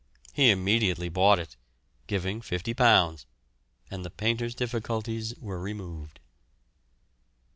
He immediately bought it, giving £50, and the painter's difficulties were removed.